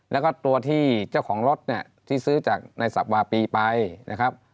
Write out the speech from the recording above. แล้วก็ตัวที่เจ้าของรถเนี่ยที่ซื้อจากในสับวาปีไปนะครับ